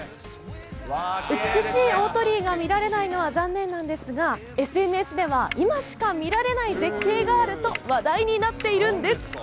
美しい大鳥居が見られないのは残念なんですが、ＳＮＳでは今しか見られない絶景があると、話題になっているんです。